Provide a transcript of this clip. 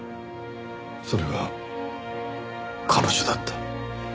それが彼女だった？